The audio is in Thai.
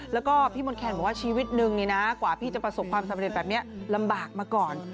แล้วก็พี่มนต์แคนบอกว่าชีวิตนึงนี่นะกว่าพี่จะประสบความสำเร็จแบบนี้ลำบากมาก่อน